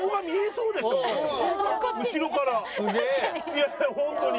いやいやホントに。